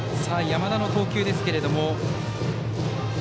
山田の投球ですけれども。